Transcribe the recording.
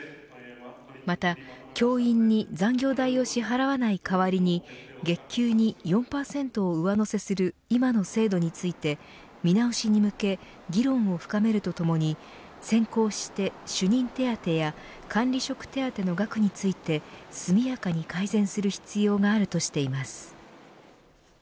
また教員に残業代を支払わない代わりに月給に４％を上乗せする今の制度について見直しに向け議論を深めるとともに先行して主任手当や管理職手当の額について速やかに改善する必要があるとしています。